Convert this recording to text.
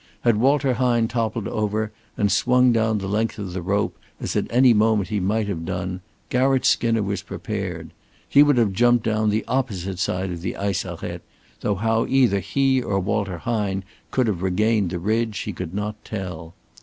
Had Walter Hine toppled over, and swung down the length of the rope, as at any moment he might have done, Garratt Skinner was prepared. He would have jumped down the opposite side of the ice arête, though how either he or Walter Hine could have regained the ridge he could not tell.